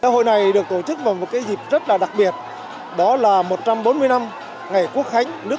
hội này được tổ chức vào một dịp rất là đặc biệt đó là một trăm bốn mươi năm ngày quốc khánh nước